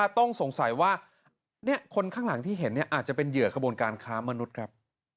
ต้องสงสัยว่าคนข้างหลังที่เห็นอาจจะเป็นเหยื่อขบวนการค้ามนุษย์ครับ